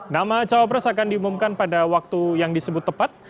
nama cawapres akan diumumkan pada waktu yang disebut tepat